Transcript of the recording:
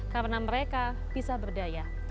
karena mereka bisa berdaya